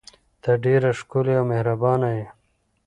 ته ډیره ښکلې او مهربانه یې.